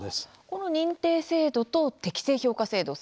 この認定制度と適正評価制度